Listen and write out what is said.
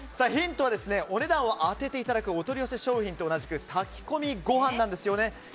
ヒントはお値段を当てていただくお取り寄せ商品と同じく炊き込みご飯なんですよね。